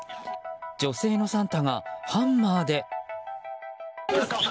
女性のサンタがハンマーで。